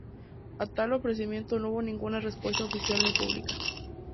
A tal ofrecimiento no hubo ninguna respuesta oficial ni pública.